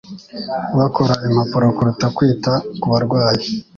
bakora impapuro kuruta kwita ku barwayi.